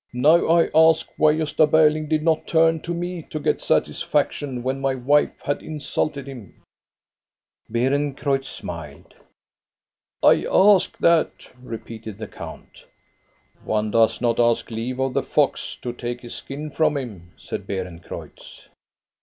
Now I ask why Gosta Berling did not turn to me to get satisfaction when my wife had insulted him." Beerencreutz smiled. " I ask that," repeated the count. " One does not ask leave of the fox to take his skin from him," said Beerencreutz.